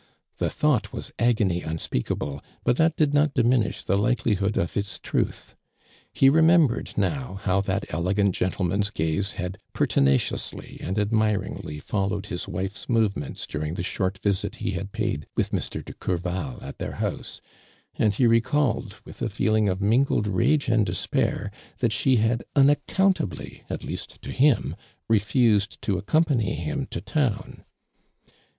The thought was agony unspeak able, but that did not diminish the likelihood of its truth. He remembered now how that elegant gentleman's gaze had pertina ciously and admiringly followed his wife's movements during the short visit he had paid with Mr. de Courval at their house ; and he recalled, with a feeling of mingled rage and despair that she had unaccount ably, at least to him, refused to accom pany him to town.